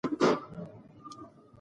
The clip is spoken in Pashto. سایبري نړۍ خلک له قوانینو سره اشنا کوي.